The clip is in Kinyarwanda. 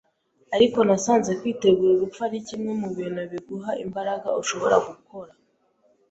Ariko nasanze kwitegura urupfu ari kimwe mubintu biguha imbaraga ushobora gukora.